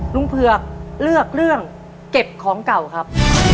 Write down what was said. เผือกเลือกเรื่องเก็บของเก่าครับ